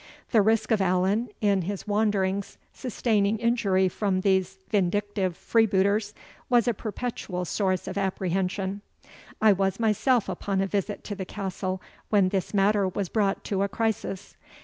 The risk of Allan, in his wanderings, sustaining injury from these vindictive freebooters, was a perpetual source of apprehension. "I was myself upon a visit to the castle when this matter was brought to a crisis.